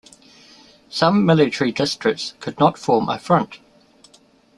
Some military districts could not form a front.